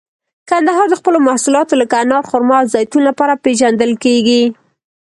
کندهار د خپلو محصولاتو لکه انار، خرما او زیتون لپاره پیژندل کیږي.